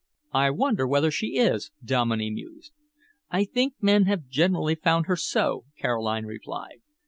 "I wonder whether she is," Dominey mused. "I think men have generally found her so," Caroline replied.